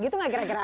gitu gak kira kira